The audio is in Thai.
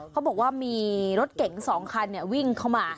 เขาบอกว่ามีรถเก๋ง๒คันวิ่งเข้ามา